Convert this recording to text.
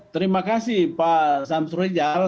terima kasih pak sam surijal